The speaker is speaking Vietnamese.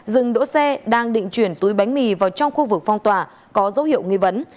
dừng đỗ xe đang định chuyển túi bánh mì vào trong khu vực phong tỏa có dấu hiệu nghi vấn